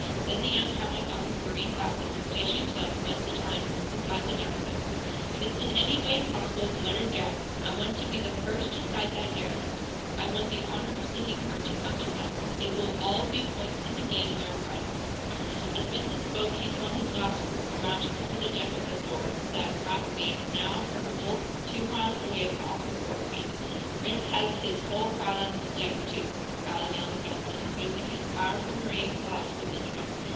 Then the young captain got his marine glasses, stationing himself, most of the time, beside the deck wheel. "If it's in any way possible," muttered Jack, "I want to be the first to sight that derelict. I want the honor of sinking her to come to us. It will all be points in the game we are fighting for." As Benson spoke he swung his glass around to cover the deck of the "Thor," that craft being, now, her full two miles away off the port beam. "Rhinds has his whole crowd on deck, too," growled young Benson, using his powerful marine glass with interest.